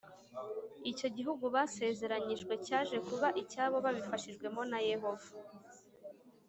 icyo gihugu basezeranyijwe cyaje kuba icyabo babifashijwemo na Yehova